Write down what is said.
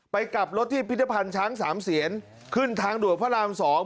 กลับรถที่พิธภัณฑ์ช้างสามเสียนขึ้นทางด่วนพระราม๒